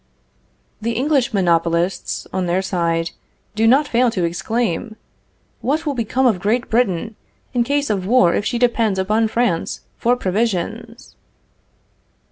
The English monopolists, on their side, do not fail to exclaim: "What will become of Great Britain in case of war if she depends upon France for provisions?"